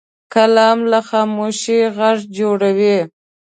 قلم له خاموشۍ غږ جوړوي